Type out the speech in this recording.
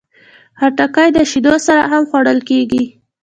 خټکی د شیدو سره هم خوړل کېږي.